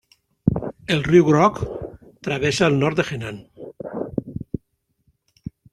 El riu Groc travessa el nord de Henan.